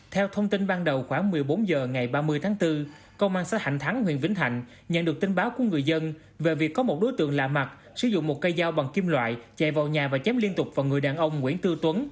theo thông tin ban đầu khoảng một mươi bốn h ngày ba mươi tháng bốn công an xã hạnh thắng huyện vĩnh thạnh nhận được tin báo của người dân về việc có một đối tượng lạ mặt sử dụng một cây dao bằng kim loại chạy vào nhà và chém liên tục vào người đàn ông nguyễn tư tuấn